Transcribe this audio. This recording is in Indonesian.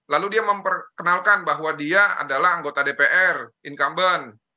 lalu dia memperkenalkan bahwa dia adalah anggota dpr incumbent